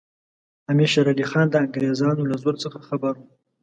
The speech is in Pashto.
امیر شېر علي خان د انګریزانو له زور څخه خبر وو.